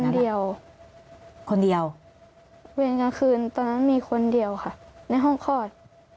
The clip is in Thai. มีคนเดียวนะครับคนเดียวเปลี่ยนกลางคืนตอนนั้นมีคนเดียวค่ะในห้องคลอด